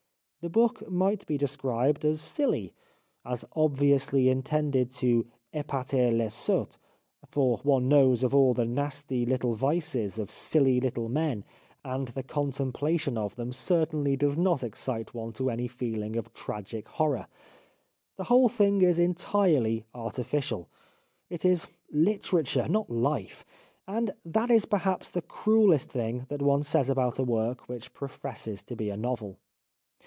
The book might be described as silly, as obviously intended to dpater les sots, for one knows of all the nasty little vices of silly little men, and the contem plation of them certainly does not excite one to any feeling of tragic horror. The whole thing is entirely artificial. It is literature, not life, and that is perhaps the cruellest thing that one says about a work which professes to be a novel.